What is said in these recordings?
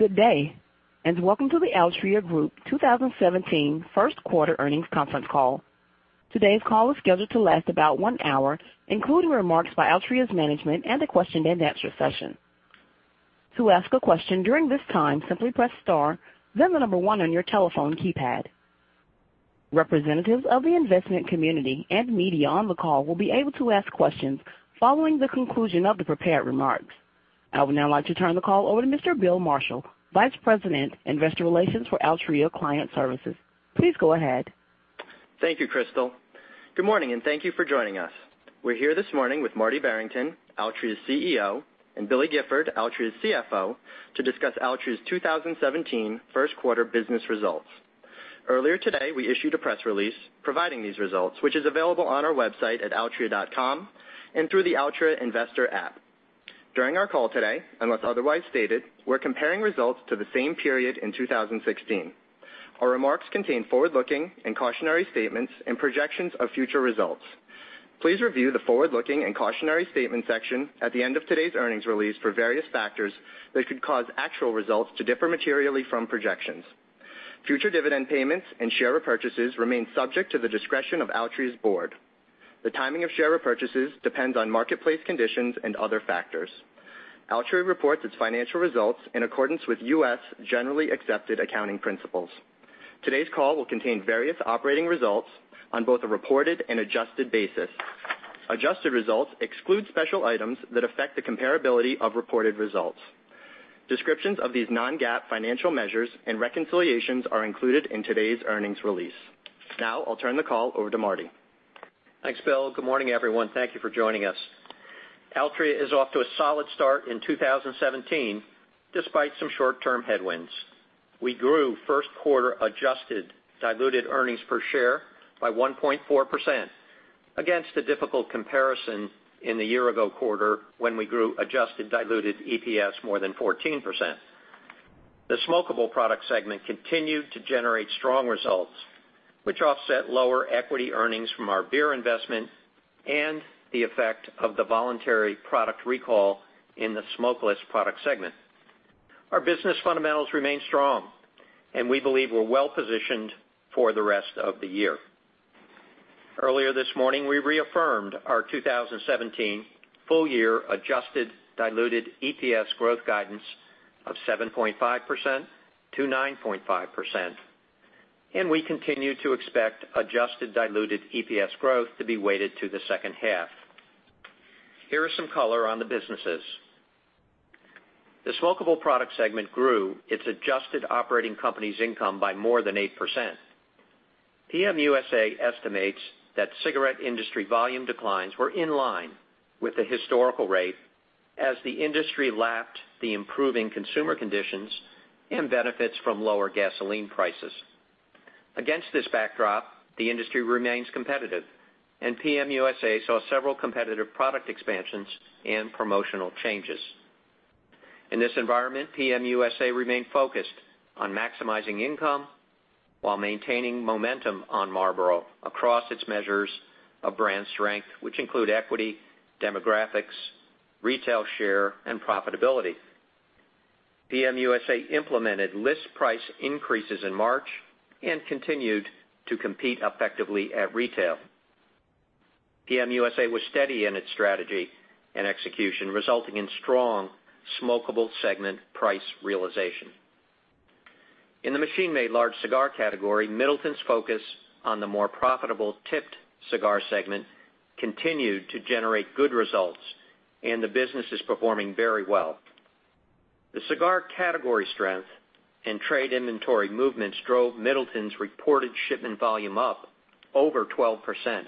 Good day, and welcome to the Altria Group 2017 first quarter earnings conference call. Today's call is scheduled to last about one hour, including remarks by Altria's management and a question-and-answer session. To ask a question during this time, simply press star, then the number 1 on your telephone keypad. Representatives of the investment community and media on the call will be able to ask questions following the conclusion of the prepared remarks. I would now like to turn the call over to Mr. Bill Marshall, Vice President, Investor Relations for Altria Client Services. Please go ahead. Thank you, Crystal. Good morning, and thank you for joining us. We're here this morning with Marty Barrington, Altria's CEO, and Billy Gifford, Altria's CFO, to discuss Altria's 2017 first quarter business results. Earlier today, we issued a press release providing these results, which is available on our website at altria.com and through the Altria investor app. During our call today, unless otherwise stated, we're comparing results to the same period in 2016. Our remarks contain forward-looking and cautionary statements and projections of future results. Please review the forward-looking and cautionary statements section at the end of today's earnings release for various factors that could cause actual results to differ materially from projections. Future dividend payments and share repurchases remain subject to the discretion of Altria's board. The timing of share repurchases depends on marketplace conditions and other factors. Altria reports its financial results in accordance with U.S. generally accepted accounting principles. Today's call will contain various operating results on both a reported and adjusted basis. Adjusted results exclude special items that affect the comparability of reported results. Descriptions of these non-GAAP financial measures and reconciliations are included in today's earnings release. Now, I'll turn the call over to Marty. Thanks, Bill. Good morning, everyone. Thank you for joining us. Altria is off to a solid start in 2017, despite some short-term headwinds. We grew first quarter adjusted diluted earnings per share by 1.4% against a difficult comparison in the year-ago quarter when we grew adjusted diluted EPS more than 14%. The smokable product segment continued to generate strong results, which offset lower equity earnings from our beer investment and the effect of the voluntary product recall in the smokeless product segment. Our business fundamentals remain strong, and we believe we're well-positioned for the rest of the year. Earlier this morning, we reaffirmed our 2017 full-year adjusted diluted EPS growth guidance of 7.5%-9.5%, and we continue to expect adjusted diluted EPS growth to be weighted to the second half. Here is some color on the businesses. The smokable product segment grew its adjusted operating company's income by more than 8%. PM USA estimates that cigarette industry volume declines were in line with the historical rate as the industry lapped the improving consumer conditions and benefits from lower gasoline prices. Against this backdrop, the industry remains competitive, and PM USA saw several competitive product expansions and promotional changes. In this environment, PM USA remained focused on maximizing income while maintaining momentum on Marlboro across its measures of brand strength, which include equity, demographics, retail share, and profitability. PM USA implemented list price increases in March and continued to compete effectively at retail. PM USA was steady in its strategy and execution, resulting in strong smokable segment price realization. In the machine-made large cigar category, Middleton's focus on the more profitable tipped cigar segment continued to generate good results, and the business is performing very well. The cigar category strength and trade inventory movements drove Middleton's reported shipment volume up over 12%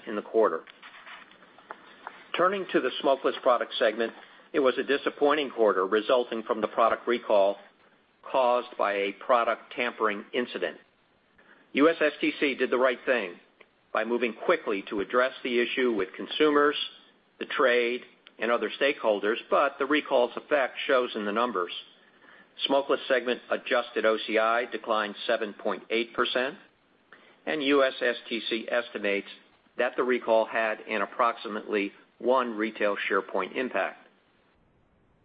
in the quarter. Turning to the smokeless product segment, it was a disappointing quarter resulting from the product recall caused by a product tampering incident. USSTC did the right thing by moving quickly to address the issue with consumers, the trade, and other stakeholders, but the recall's effect shows in the numbers. Smokeless segment adjusted OCI declined 7.8%, and USSTC estimates that the recall had an approximately one retail share point impact.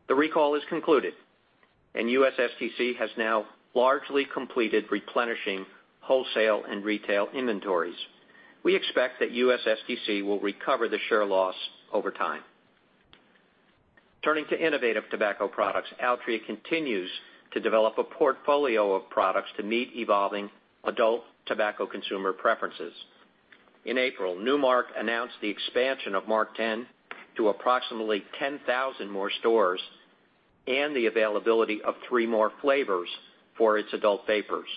The recall is concluded, and USSTC has now largely completed replenishing wholesale and retail inventories. We expect that USSTC will recover the share loss over time. Turning to innovative tobacco products, Altria continues to develop a portfolio of products to meet evolving adult tobacco consumer preferences. In April, Nu Mark announced the expansion of MarkTen to approximately 10,000 more stores and the availability of three more flavors for its adult vapors: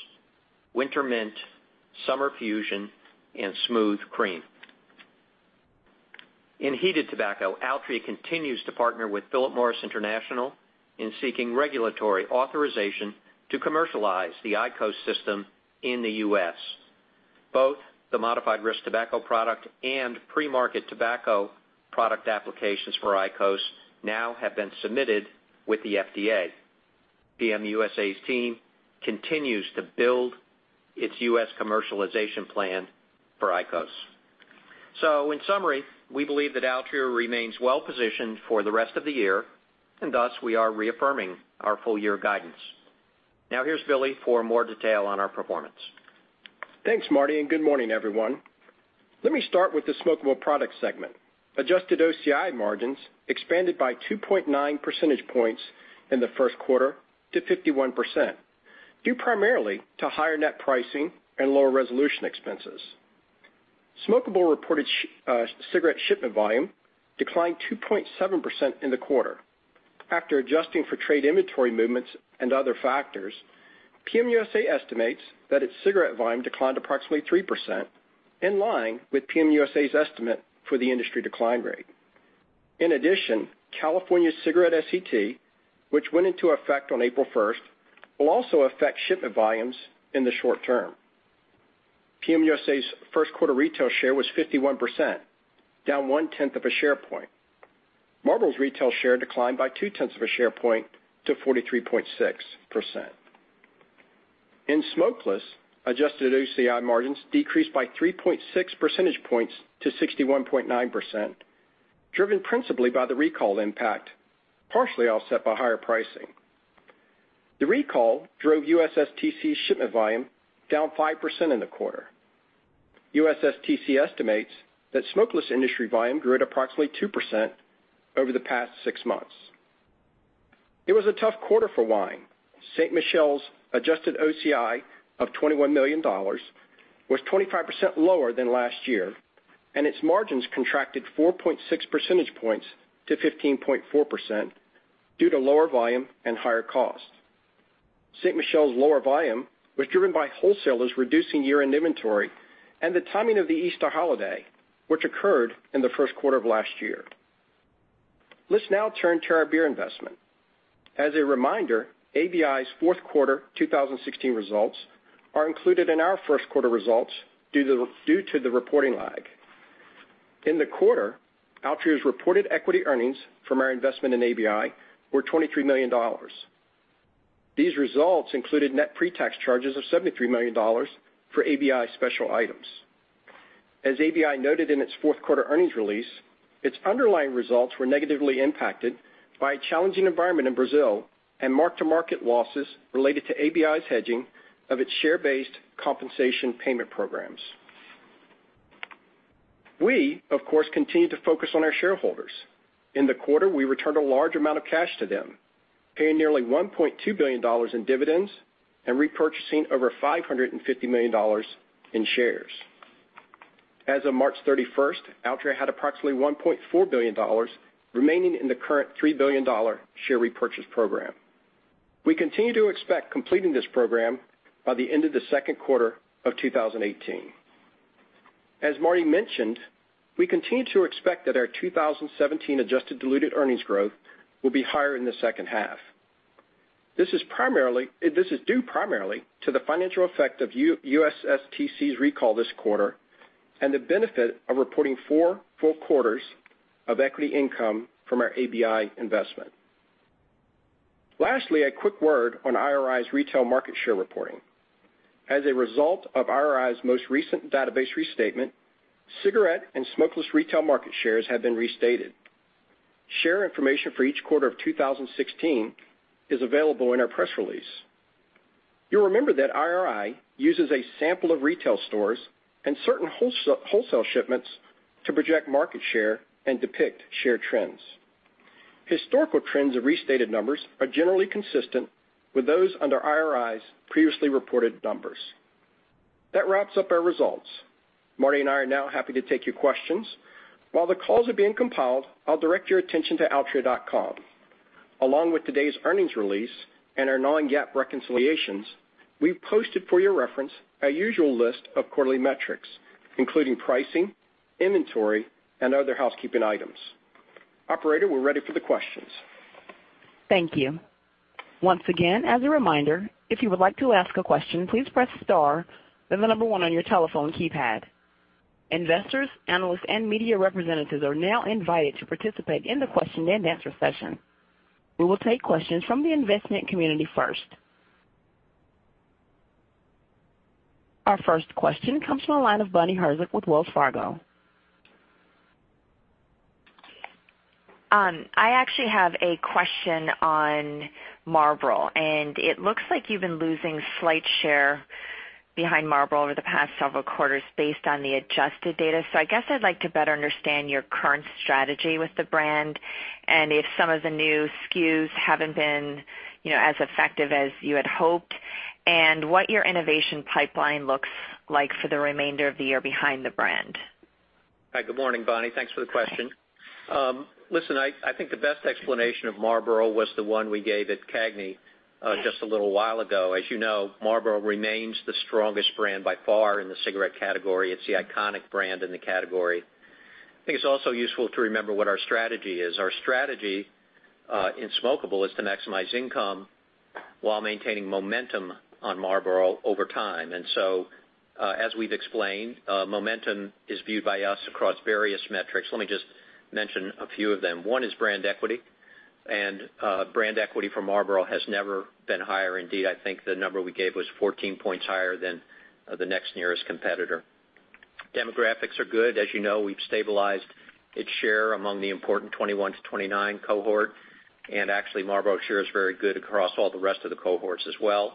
Wintermint, Summer Fusion, and Smooth Cream. In heated tobacco, Altria continues to partner with Philip Morris International in seeking regulatory authorization to commercialize the IQOS system in the U.S. Both the modified risk tobacco product and premarket tobacco product applications for IQOS now have been submitted with the FDA. PM USA's team continues to build its U.S. commercialization plan for IQOS. In summary, we believe that Altria remains well-positioned for the rest of the year, thus, we are reaffirming our full-year guidance. Now here's Billy for more detail on our performance. Thanks, Marty. Good morning, everyone. Let me start with the smokeable product segment. Adjusted OCI margins expanded by 2.9 percentage points in the first quarter to 51%, due primarily to higher net pricing and lower resolution expenses. Smokeable reported cigarette shipment volume declined 2.7% in the quarter. After adjusting for trade inventory movements and other factors, PM USA estimates that its cigarette volume declined approximately 3%, in line with PM USA's estimate for the industry decline rate. In addition, California cigarette SCT, which went into effect on April 1st, will also affect shipment volumes in the short term. PM USA's first quarter retail share was 51%, down 0.1 of a share point. Marlboro's retail share declined by 0.2 of a share point to 43.6%. In smokeless, adjusted OCI margins decreased by 3.6 percentage points to 61.9%, driven principally by the recall impact, partially offset by higher pricing. The recall drove USSTC's shipment volume down 5% in the quarter. USSTC estimates that smokeless industry volume grew at approximately 2% over the past six months. It was a tough quarter for wine. Ste. Michelle's adjusted OCI of $21 million was 25% lower than last year, and its margins contracted 4.6 percentage points to 15.4% due to lower volume and higher cost. Ste. Michelle's lower volume was driven by wholesalers reducing year-end inventory and the timing of the Easter holiday, which occurred in the first quarter of last year. Let's now turn to our beer investment. As a reminder, ABI's fourth quarter 2016 results are included in our first quarter results due to the reporting lag. In the quarter, Altria's reported equity earnings from our investment in ABI were $23 million. These results included net pre-tax charges of $73 million for ABI special items. As ABI noted in its fourth-quarter earnings release, its underlying results were negatively impacted by a challenging environment in Brazil and mark-to-market losses related to ABI's hedging of its share-based compensation payment programs. We, of course, continue to focus on our shareholders. In the quarter, we returned a large amount of cash to them, paying nearly $1.2 billion in dividends and repurchasing over $550 million in shares. As of March 31st, Altria had approximately $1.4 billion remaining in the current $3 billion share repurchase program. We continue to expect completing this program by the end of the second quarter of 2018. As Marty mentioned, we continue to expect that our 2017 adjusted diluted earnings growth will be higher in the second half. This is due primarily to the financial effect of USSTC's recall this quarter and the benefit of reporting four full quarters of equity income from our ABI investment. Lastly, a quick word on IRI's retail market share reporting. As a result of IRI's most recent database restatement, cigarette and smokeless retail market shares have been restated. Share information for each quarter of 2016 is available in our press release. You'll remember that IRI uses a sample of retail stores and certain wholesale shipments to project market share and depict share trends. Historical trends of restated numbers are generally consistent with those under IRI's previously reported numbers. That wraps up our results. Marty and I are now happy to take your questions. While the calls are being compiled, I'll direct your attention to altria.com. Along with today's earnings release and our non-GAAP reconciliations, we've posted for your reference a usual list of quarterly metrics, including pricing, inventory, and other housekeeping items. Operator, we're ready for the questions. Thank you. Once again, as a reminder, if you would like to ask a question, please press star, then the number one on your telephone keypad. Investors, analysts, and media representatives are now invited to participate in the question and answer session. We will take questions from the investment community first. Our first question comes from the line of Bonnie Herzog with Wells Fargo. I actually have a question on Marlboro. It looks like you've been losing slight share behind Marlboro over the past several quarters based on the adjusted data. I guess I'd like to better understand your current strategy with the brand and if some of the new SKUs haven't been as effective as you had hoped, and what your innovation pipeline looks like for the remainder of the year behind the brand. Hi, good morning, Bonnie. Thanks for the question. Listen, I think the best explanation of Marlboro was the one we gave at CAGNY just a little while ago. As you know, Marlboro remains the strongest brand by far in the cigarette category. It's the iconic brand in the category. I think it's also useful to remember what our strategy is. Our strategy in smokeable is to maximize income while maintaining momentum on Marlboro over time. As we've explained, momentum is viewed by us across various metrics. Let me just mention a few of them. One is brand equity. Brand equity for Marlboro has never been higher. Indeed, I think the number we gave was 14 points higher than the next nearest competitor. Demographics are good. As you know, we've stabilized its share among the important 21-29 cohort. Actually Marlboro share is very good across all the rest of the cohorts as well.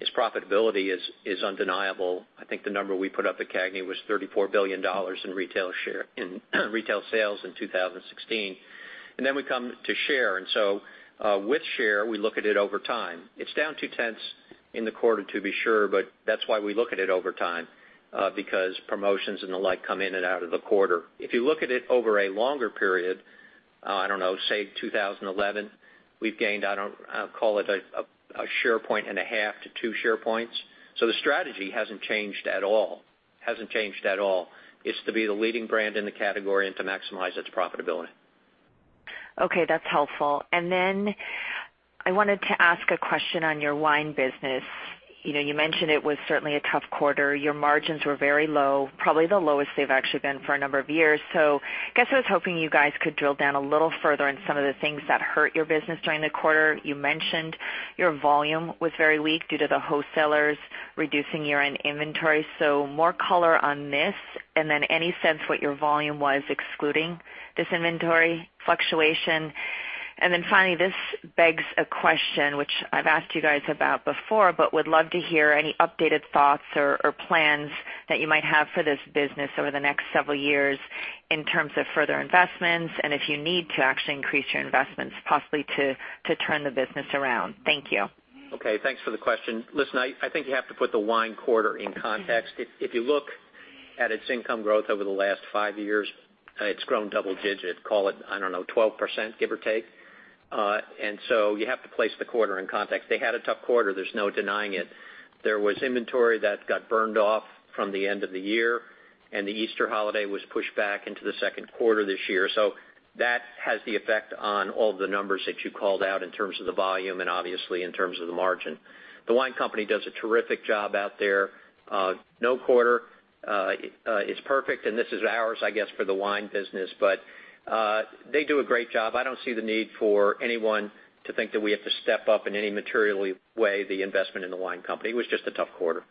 Its profitability is undeniable. I think the number we put up at CAGNY was $34 billion in retail sales in 2016. We come to share. With share, we look at it over time. It's down two tenths in the quarter to be sure, but that's why we look at it over time, because promotions and the like come in and out of the quarter. If you look at it over a longer period, I don't know, say 2011, we've gained, call it a share point and a half to two share points. The strategy hasn't changed at all. It's to be the leading brand in the category and to maximize its profitability. Okay. That's helpful. I wanted to ask a question on your wine business. You mentioned it was certainly a tough quarter. Your margins were very low, probably the lowest they've actually been for a number of years. I guess I was hoping you guys could drill down a little further on some of the things that hurt your business during the quarter. You mentioned your volume was very weak due to the wholesalers reducing year-end inventory. More color on this and then any sense what your volume was excluding this inventory fluctuation? this begs a question which I've asked you guys about before, but would love to hear any updated thoughts or plans that you might have for this business over the next several years in terms of further investments and if you need to actually increase your investments possibly to turn the business around. Thank you. Okay. Thanks for the question. Listen, I think you have to put the wine quarter in context. If you look at its income growth over the last five years, it's grown double digit. Call it, I don't know, 12%, give or take. You have to place the quarter in context. They had a tough quarter. There's no denying it. There was inventory that got burned off from the end of the year and the Easter holiday was pushed back into the second quarter this year. That has the effect on all the numbers that you called out in terms of the volume and obviously in terms of the margin. The wine company does a terrific job out there. No quarter is perfect and this is ours, I guess, for the wine business. They do a great job. I don't see the need for anyone to think that we have to step up in any material way the investment in the wine company. It was just a tough quarter.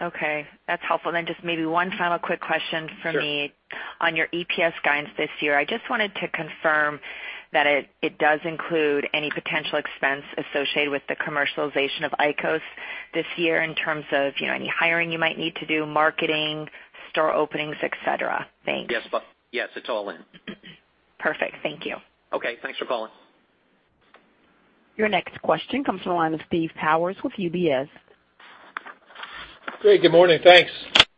Okay. That's helpful. Just maybe one final quick question from me. Sure. On your EPS guidance this year, I just wanted to confirm that it does include any potential expense associated with the commercialization of IQOS this year in terms of any hiring you might need to do, marketing, store openings, et cetera. Thanks. Yes, it's all in. Perfect. Thank you. Okay. Thanks for calling. Your next question comes from the line of Steve Powers with UBS. Great. Good morning. Thanks.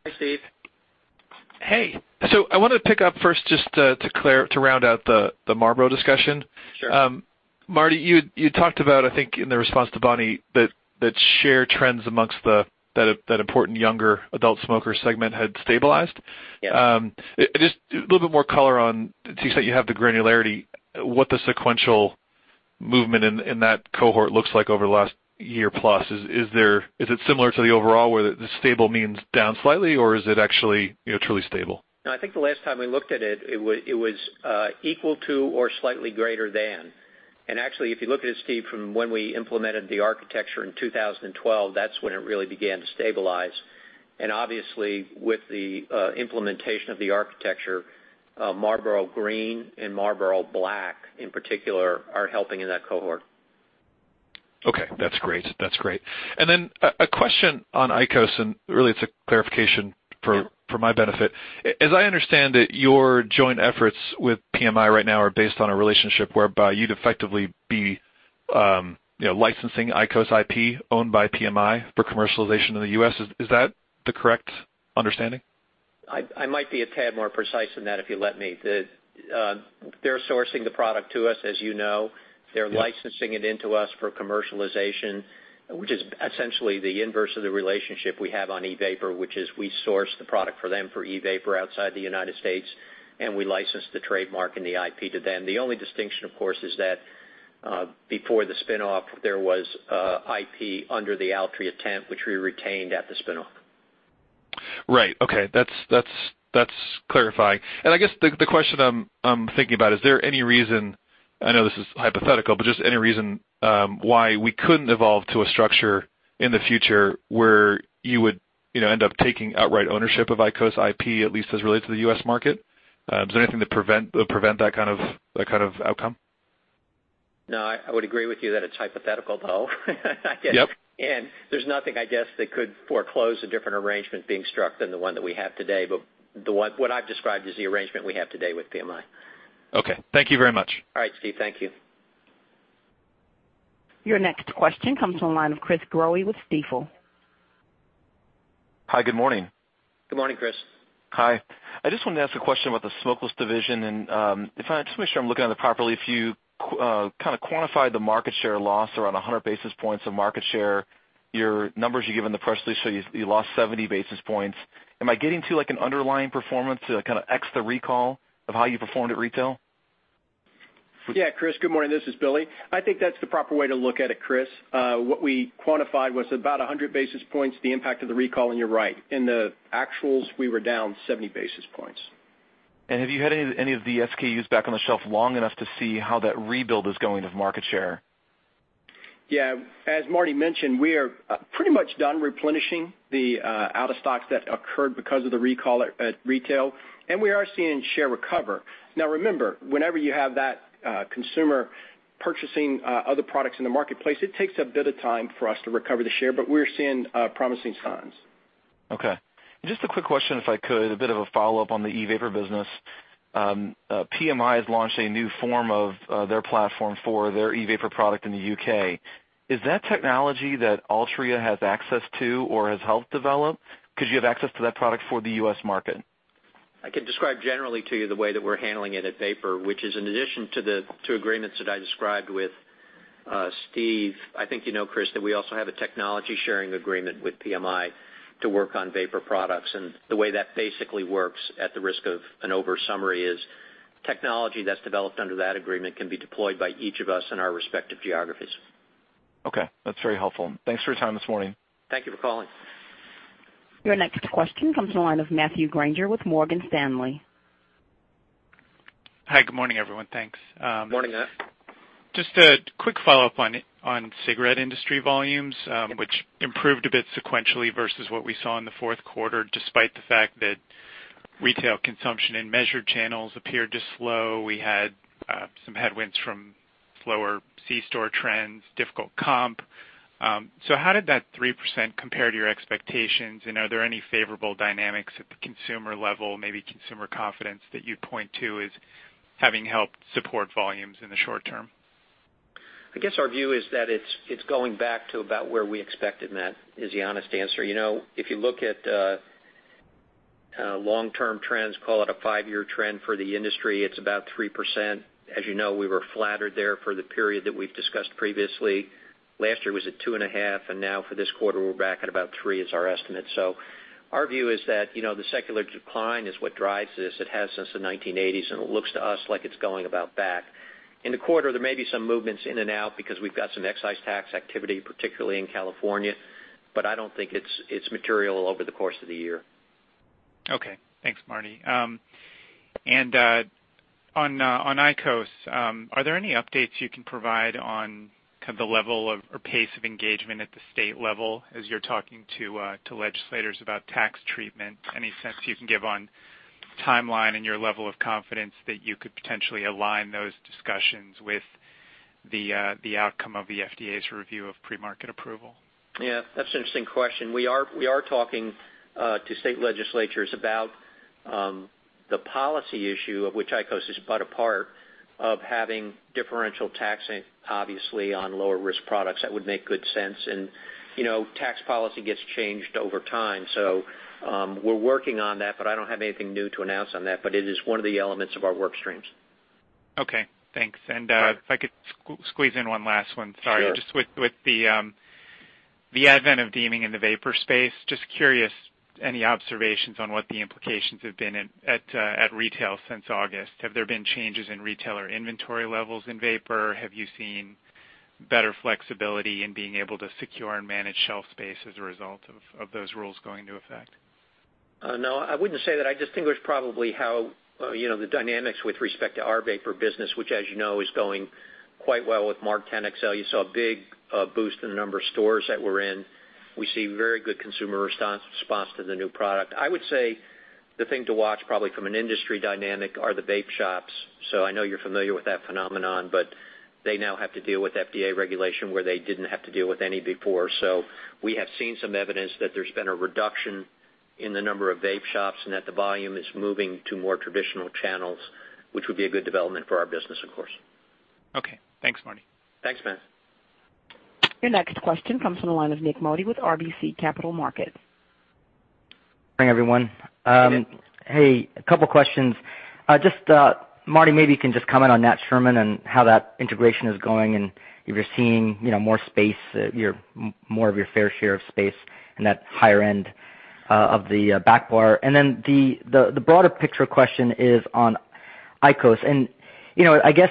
Hi, Steve. Hey. I wanted to pick up first just to round out the Marlboro discussion. Sure. Marty, you talked about, I think in the response to Bonnie, that share trends amongst that important younger adult smoker segment had stabilized? Yes. Just a little bit more color on, it seems like you have the granularity, what the sequential movement in that cohort looks like over the last year plus. Is it similar to the overall where the stable means down slightly or is it actually truly stable? No, I think the last time we looked at it was equal to or slightly greater than. Actually, if you look at it, Steve, from when we implemented the architecture in 2012, that's when it really began to stabilize. Obviously with the implementation of the architecture, Marlboro Green and Marlboro Black in particular are helping in that cohort. Okay. That's great. Then a question on IQOS and really it's a clarification for my benefit. As I understand it, your joint efforts with PMI right now are based on a relationship whereby you'd effectively be licensing IQOS IP owned by PMI for commercialization in the U.S. Is that the correct understanding? I might be a tad more precise than that if you let me. They're sourcing the product to us, as you know. They're licensing it into us for commercialization, which is essentially the inverse of the relationship we have on e-vapor, which is we source the product for them for e-vapor outside the United States and we license the trademark and the IP to them. The only distinction, of course, is that before the spin-off, there was IP under the Altria tent, which we retained at the spin-off. Okay. That's clarifying. I guess the question I'm thinking about, is there any reason, I know this is hypothetical, but just any reason why we couldn't evolve to a structure in the future where you would end up taking outright ownership of IQOS IP, at least as it relates to the U.S. market? Is there anything that prevent that kind of outcome? No, I would agree with you that it's hypothetical though. Yep. There's nothing, I guess, that could foreclose a different arrangement being struck than the one that we have today. What I've described is the arrangement we have today with PMI. Okay. Thank you very much. All right, Steve. Thank you. Your next question comes from the line of Chris Growe with Stifel. Hi, good morning. Good morning, Chris. Hi. I just wanted to ask a question about the smokeless division and just want to make sure I'm looking at it properly. If you kind of quantified the market share loss around 100 basis points of market share, your numbers you gave in the press release show you lost 70 basis points. Am I getting to like an underlying performance to kind of X the recall of how you performed at retail? Yeah, Chris, good morning. This is Billy. I think that's the proper way to look at it, Chris. What we quantified was about 100 basis points the impact of the recall. You're right. In the actuals, we were down 70 basis points. Have you had any of the SKUs back on the shelf long enough to see how that rebuild is going of market share? Yeah. As Marty mentioned, we are pretty much done replenishing the out-of-stocks that occurred because of the recall at retail, and we are seeing share recover. Remember, whenever you have that consumer purchasing other products in the marketplace, it takes a bit of time for us to recover the share, but we're seeing promising signs. Okay. Just a quick question if I could. A bit of a follow-up on the e-vapor business. PMI has launched a new form of their platform for their e-vapor product in the U.K. Is that technology that Altria has access to or has helped develop? Could you have access to that product for the U.S. market? I can describe generally to you the way that we're handling it at Vapor, which is in addition to the two agreements that I described with Steve. I think you know, Chris, that we also have a technology sharing agreement with PMI to work on vapor products. The way that basically works, at the risk of an over summary, is technology that's developed under that agreement can be deployed by each of us in our respective geographies. Okay. That's very helpful. Thanks for your time this morning. Thank you for calling. Your next question comes from the line of Matthew Grainger with Morgan Stanley. Hi, good morning, everyone. Thanks. Morning, Matt. Just a quick follow-up on cigarette industry volumes, which improved a bit sequentially versus what we saw in the fourth quarter, despite the fact that retail consumption in measured channels appeared to slow. We had some headwinds from slower C-store trends, difficult comp. How did that 3% compare to your expectations, and are there any favorable dynamics at the consumer level, maybe consumer confidence that you'd point to as having helped support volumes in the short term? I guess our view is that it's going back to about where we expected, Matt, is the honest answer. If you look at long-term trends, call it a five-year trend for the industry, it's about 3%. As you know, we were flattered there for the period that we've discussed previously. Last year was at two and a half, and now for this quarter, we're back at about three is our estimate. Our view is that the secular decline is what drives this. It has since the 1980s, and it looks to us like it's going about back. In the quarter, there may be some movements in and out because we've got some excise tax activity, particularly in California, but I don't think it's material over the course of the year. Okay. Thanks, Marty. On IQOS, are there any updates you can provide on the level of, or pace of engagement at the state level as you're talking to legislators about tax treatment? Any sense you can give on timeline and your level of confidence that you could potentially align those discussions with the outcome of the FDA's review of pre-market approval? Yeah. That's an interesting question. We are talking to state legislatures about the policy issue, of which IQOS is but a part, of having differential taxing, obviously, on lower risk products. That would make good sense. Tax policy gets changed over time. We're working on that, but I don't have anything new to announce on that, but it is one of the elements of our work streams. Okay, thanks. If I could squeeze in one last one. Sorry. Sure. With the advent of deeming in the vapor space, just curious, any observations on what the implications have been at retail since August? Have there been changes in retailer inventory levels in vapor? Have you seen better flexibility in being able to secure and manage shelf space as a result of those rules going into effect? No, I wouldn't say that. I distinguish probably how the dynamics with respect to our vapor business, which as you know, is going quite well with MarkTen XL. You saw a big boost in the number of stores that we're in. We see very good consumer response to the new product. I would say the thing to watch probably from an industry dynamic are the vape shops. I know you're familiar with that phenomenon, but they now have to deal with FDA regulation where they didn't have to deal with any before. We have seen some evidence that there's been a reduction in the number of vape shops and that the volume is moving to more traditional channels, which would be a good development for our business, of course. Okay. Thanks, Marty. Thanks, Matt. Your next question comes from the line of Nik Modi with RBC Capital Markets. Morning, everyone. Morning. Hey, a couple questions. Just, Marty, maybe you can just comment on Nat Sherman and how that integration is going and if you're seeing more of your fair share of space in that higher end of the back bar. Then the broader picture question is on IQOS. I guess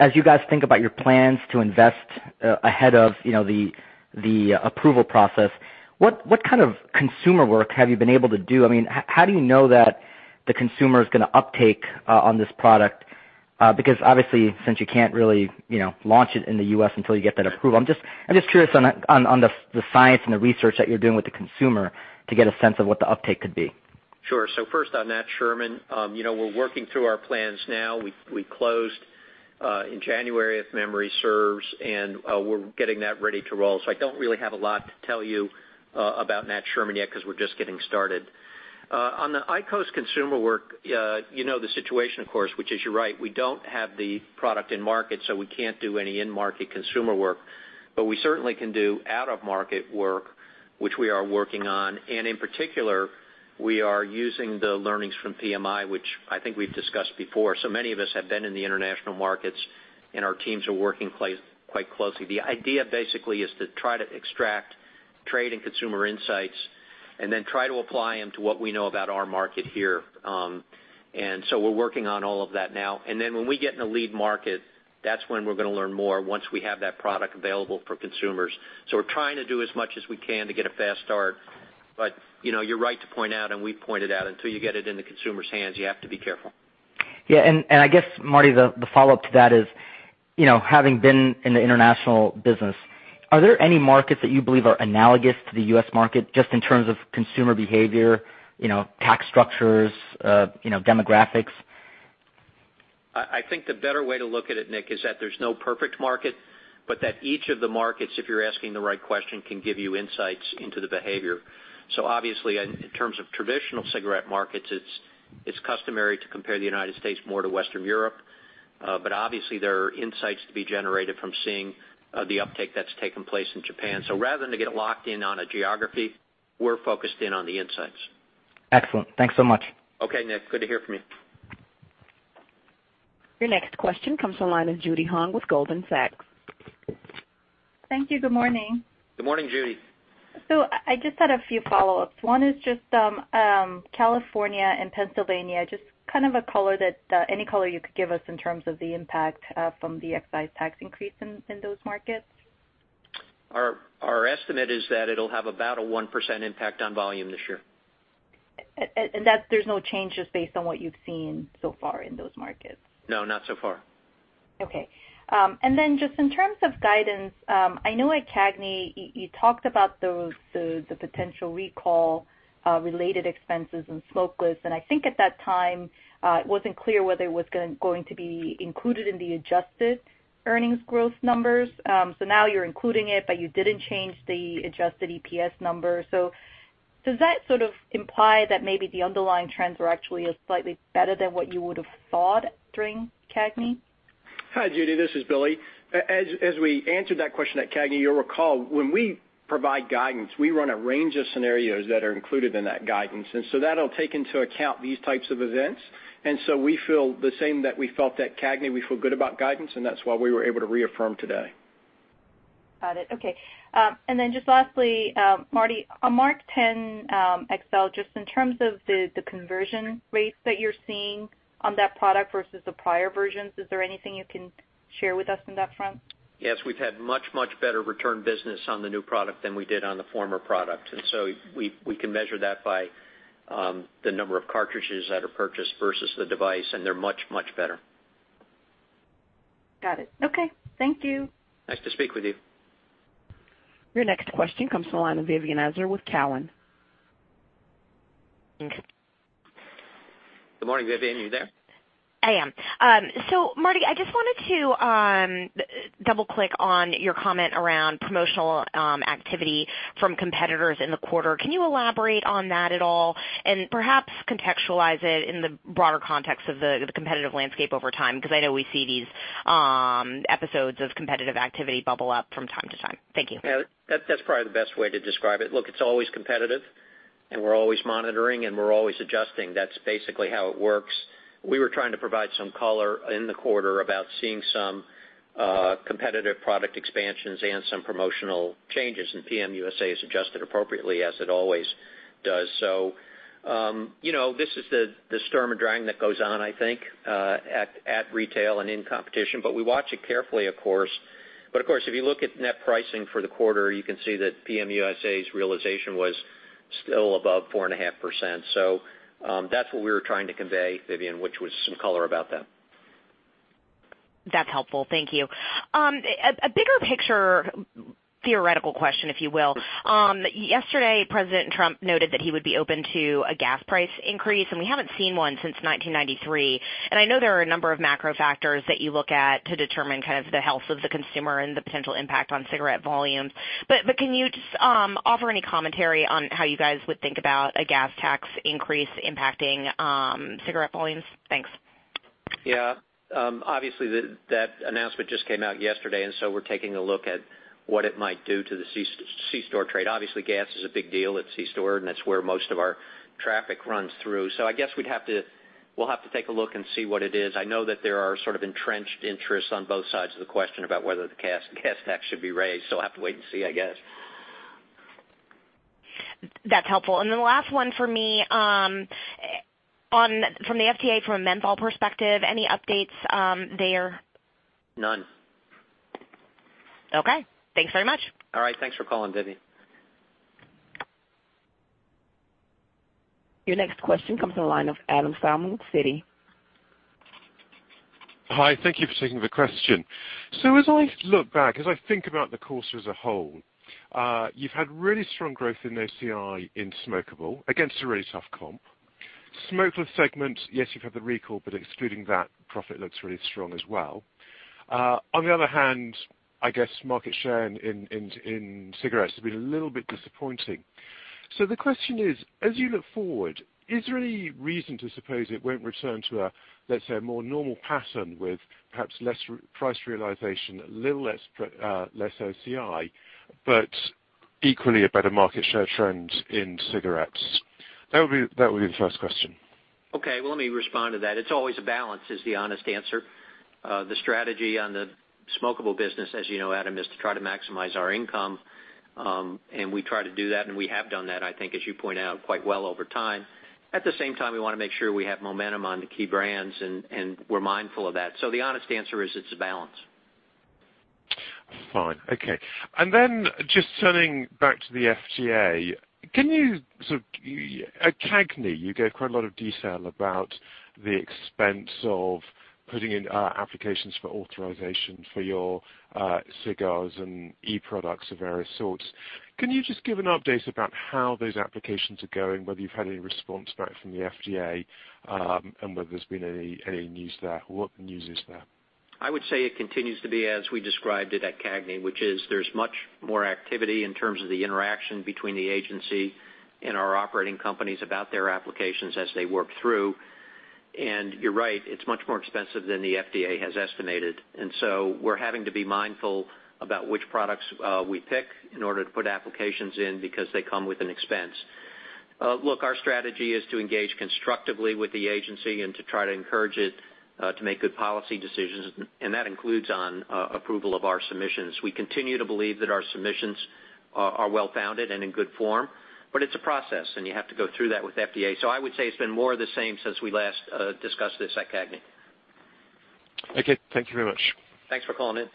as you guys think about your plans to invest ahead of the approval process, what kind of consumer work have you been able to do? How do you know that the consumer's going to uptake on this product? Because obviously since you can't really launch it in the U.S. until you get that approval. I'm just curious on the science and the research that you're doing with the consumer to get a sense of what the uptake could be. Sure. First on Nat Sherman. We're working through our plans now. We closed in January, if memory serves, and we're getting that ready to roll. I don't really have a lot to tell you about Nat Sherman yet because we're just getting started. On the IQOS consumer work, you know the situation, of course, which is you're right, we don't have the product in market, so we can't do any in-market consumer work. We certainly can do out-of-market work, which we are working on. In particular, we are using the learnings from PMI, which I think we've discussed before. Many of us have been in the international markets, and our teams are working quite closely. The idea basically is to try to extract trade and consumer insights and then try to apply them to what we know about our market here. We're working on all of that now. When we get in a lead market, that's when we're going to learn more, once we have that product available for consumers. We're trying to do as much as we can to get a fast start. You're right to point out, and we pointed out, until you get it in the consumer's hands, you have to be careful. Yeah. I guess, Marty, the follow-up to that is, having been in the international business, are there any markets that you believe are analogous to the U.S. market just in terms of consumer behavior, tax structures, demographics? I think the better way to look at it, Nik, is that there's no perfect market, but that each of the markets, if you're asking the right question, can give you insights into the behavior. Obviously, in terms of traditional cigarette markets, it's customary to compare the United States more to Western Europe. Obviously, there are insights to be generated from seeing the uptake that's taken place in Japan. Rather than to get locked in on a geography, we're focused in on the insights. Excellent. Thanks so much. Okay, Nik, good to hear from you. Your next question comes from the line of Judy Hong with Goldman Sachs. Thank you. Good morning. Good morning, Judy. I just had a few follow-ups. One is just California and Pennsylvania, just any color you could give us in terms of the impact from the excise tax increase in those markets. Our estimate is that it'll have about a 1% impact on volume this year. There's no change just based on what you've seen so far in those markets? No, not so far. Okay. Just in terms of guidance, I know at CAGNY, you talked about the potential recall related expenses in smokeless, and I think at that time, it wasn't clear whether it was going to be included in the adjusted earnings growth numbers. Now you're including it, but you didn't change the adjusted EPS number. Does that sort of imply that maybe the underlying trends were actually slightly better than what you would've thought during CAGNY? Hi, Judy, this is Billy. As we answered that question at CAGNY, you'll recall, when we provide guidance, we run a range of scenarios that are included in that guidance, and so that'll take into account these types of events. We feel the same that we felt at CAGNY. We feel good about guidance, and that's why we were able to reaffirm today. Got it. Okay. Just lastly, Marty, on MarkTen XL, just in terms of the conversion rates that you're seeing on that product versus the prior versions, is there anything you can share with us on that front? Yes, we've had much, much better return business on the new product than we did on the former product. We can measure that by the number of cartridges that are purchased versus the device, and they're much, much better. Got it. Okay. Thank you. Nice to speak with you. Your next question comes from the line of Vivian Azer with Cowen. Good morning, Vivian. You there? I am. Marty, I just wanted to double-click on your comment around promotional activity from competitors in the quarter. Can you elaborate on that at all and perhaps contextualize it in the broader context of the competitive landscape over time? I know we see these episodes of competitive activity bubble up from time to time. Thank you. Yeah, that's probably the best way to describe it. Look, it's always competitive, and we're always monitoring, and we're always adjusting. That's basically how it works. We were trying to provide some color in the quarter about seeing some competitive product expansions and some promotional changes. PM USA has adjusted appropriately, as it always does. This is the storm and drag that goes on, I think, at retail and in competition, we watch it carefully, of course. Of course, if you look at net pricing for the quarter, you can see that PM USA's realization was still above 4.5%. That's what we were trying to convey, Vivian, which was some color about that. That's helpful. Thank you. A bigger picture theoretical question, if you will. Yesterday, President Trump noted that he would be open to a gas price increase, and we haven't seen one since 1993. I know there are a number of macro factors that you look at to determine kind of the health of the consumer and the potential impact on cigarette volumes, can you just offer any commentary on how you guys would think about a gas tax increase impacting cigarette volumes? Thanks. Yeah. Obviously, that announcement just came out yesterday. We're taking a look at what it might do to the c-store trade. Obviously, gas is a big deal at c-store. That's where most of our traffic runs through. I guess we'll have to take a look and see what it is. I know that there are sort of entrenched interests on both sides of the question about whether the gas tax should be raised. We'll have to wait and see, I guess. That's helpful. The last one for me, from the FDA, from a menthol perspective, any updates there? None. Okay. Thanks very much. All right. Thanks for calling, Vivian. Your next question comes from the line of Adam Spielman, Citi. Hi. Thank you for taking the question. As I look back, as I think about the quarter as a whole, you've had really strong growth in OCI in smokable against a really tough comp. Smokeless segment, yes, you've had the recall, but excluding that, profit looks really strong as well. On the other hand, I guess market share in cigarettes has been a little bit disappointing. The question is, as you look forward, is there any reason to suppose it won't return to a, let's say, more normal pattern with perhaps less price realization, a little less OCI, but equally a better market share trend in cigarettes? That would be the first question. Okay. Well, let me respond to that. It's always a balance, is the honest answer. The strategy on the smokable business, as you know, Adam, is to try to maximize our income, and we try to do that, and we have done that, I think, as you point out, quite well over time. At the same time, we want to make sure we have momentum on the key brands, and we're mindful of that. The honest answer is it's a balance. Fine. Okay. Then just turning back to the FDA, at CAGNY, you gave quite a lot of detail about the expense of putting in applications for authorization for your cigars and e-products of various sorts. Can you just give an update about how those applications are going, whether you've had any response back from the FDA, and whether there's been any news there? What news is there? I would say it continues to be as we described it at CAGNY, which is there's much more activity in terms of the interaction between the agency and our operating companies about their applications as they work through. You're right, it's much more expensive than the FDA has estimated. We're having to be mindful about which products we pick in order to put applications in because they come with an expense. Look, our strategy is to engage constructively with the agency and to try to encourage it to make good policy decisions, and that includes on approval of our submissions. We continue to believe that our submissions are well-founded and in good form, it's a process, and you have to go through that with FDA. I would say it's been more of the same since we last discussed this at CAGNY. Okay. Thank you very much. Thanks for calling in.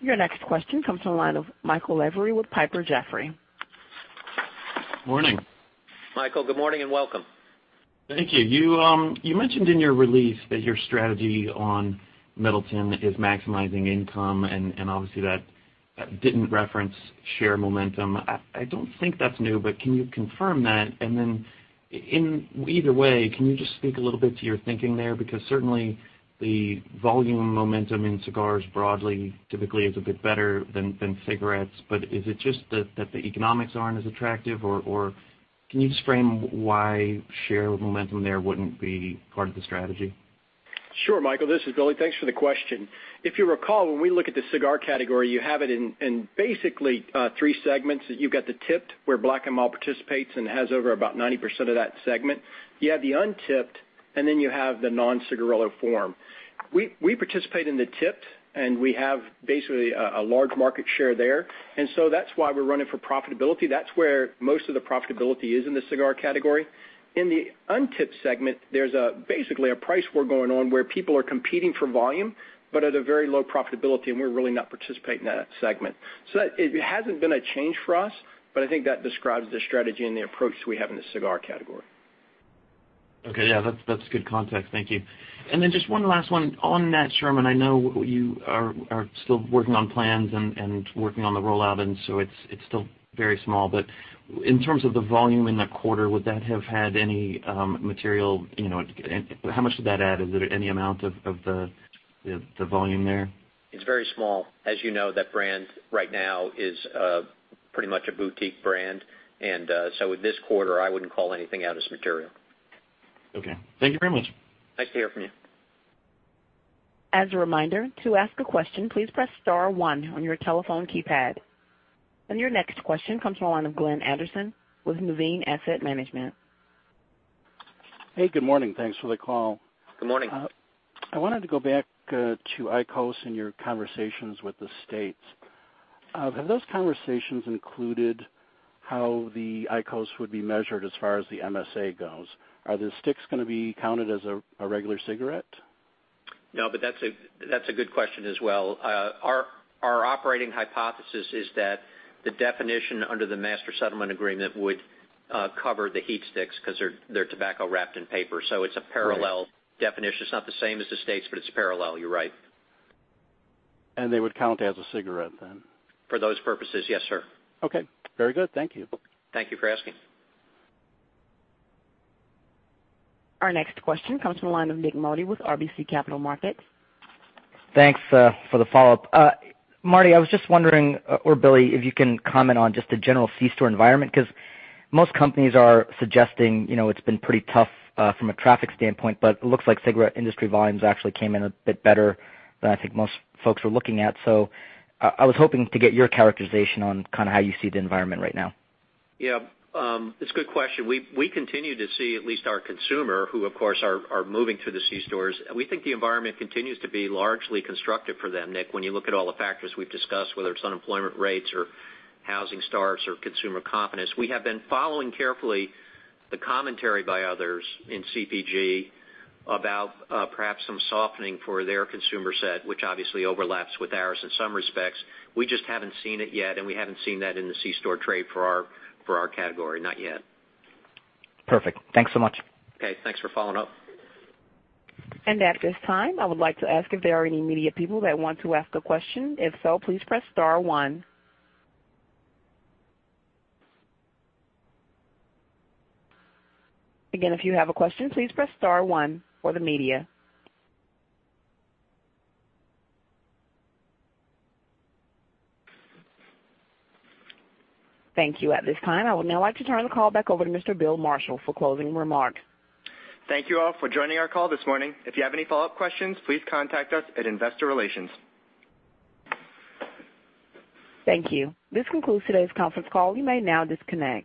Your next question comes from the line of Michael Lavery with Piper Jaffray. Morning. Michael, good morning and welcome. Thank you. You mentioned in your release that your strategy on Middleton is maximizing income. Obviously, that did not reference share momentum. I do not think that is new, but can you confirm that? In either way, can you just speak a little bit to your thinking there? Because certainly the volume momentum in cigars broadly, typically is a bit better than cigarettes. Is it just that the economics are not as attractive, or can you just frame why share momentum there would not be part of the strategy? Sure, Michael, this is Billy. Thanks for the question. If you recall, when we look at the cigar category, you have it in basically three segments. You have got the tipped where Black & Mild participates and has over about 90% of that segment. You have the untipped, you have the non-cigarillo form. We participate in the tipped, we have basically a large market share there. That is why we are running for profitability. That is where most of the profitability is in the cigar category. In the untipped segment, there is basically a price war going on where people are competing for volume, but at a very low profitability. We are really not participating in that segment. It has not been a change for us, I think that describes the strategy and the approach we have in the cigar category. Okay. Yeah, that is good context. Thank you. Just one last one on that, Sherman. I know you are still working on plans and working on the rollout, so it is still very small. In terms of the volume in that quarter, would that have had any material? How much did that add? Is it any amount of the volume there? It's very small. As you know, that brand right now is pretty much a boutique brand. With this quarter, I wouldn't call anything out as material. Okay. Thank you very much. Nice to hear from you. As a reminder, to ask a question, please press star one on your telephone keypad. Your next question comes from the line of Glenn Anderson with Maven Asset Management. Hey, good morning. Thanks for the call. Good morning. I wanted to go back to IQOS and your conversations with the states. Have those conversations included how the IQOS would be measured as far as the MSA goes? Are the sticks going to be counted as a regular cigarette? No, that's a good question as well. Our operating hypothesis is that the definition under the Master Settlement Agreement would cover the HeatSticks because they're tobacco wrapped in paper. It's a parallel definition. It's not the same as the states, it's parallel. You're right. They would count as a cigarette then? For those purposes, yes, sir. Okay. Very good. Thank you. Thank you for asking. Our next question comes from the line of Nik Modi with RBC Capital Markets. Thanks for the follow-up. Marty, I was just wondering, or Billy, if you can comment on just the general C-store environment, because most companies are suggesting it's been pretty tough from a traffic standpoint, but it looks like cigarette industry volumes actually came in a bit better than I think most folks were looking at. I was hoping to get your characterization on how you see the environment right now. Yeah. It's a good question. We continue to see at least our consumer, who, of course, are moving to the C-stores. We think the environment continues to be largely constructive for them, Nik, when you look at all the factors we've discussed, whether it's unemployment rates or housing starts or consumer confidence. We have been following carefully the commentary by others in CPG about perhaps some softening for their consumer set, which obviously overlaps with ours in some respects. We just haven't seen it yet, and we haven't seen that in the C-store trade for our category, not yet. Perfect. Thanks so much. Okay, thanks for following up. At this time, I would like to ask if there are any media people that want to ask a question. If so, please press star one. Again, if you have a question, please press star one for the media. Thank you. At this time, I would now like to turn the call back over to Mr. Bill Marshall for closing remarks. Thank you all for joining our call this morning. If you have any follow-up questions, please contact us at investor relations. Thank you. This concludes today's conference call. You may now disconnect.